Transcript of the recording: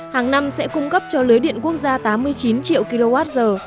hàng năm sẽ cung cấp cho lưới điện quốc gia tám mươi chín triệu kwh